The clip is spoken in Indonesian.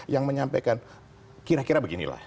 yang menyampaikan kira kira beginilah